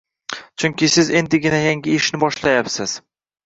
Chunki siz endigina yangi ishni boshlayapsiz.